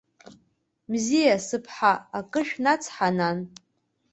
Мзиа, сыԥҳа, акы шәнацҳа, нан!